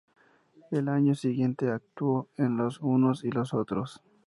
El año siguiente actuó en "Los unos y los otros".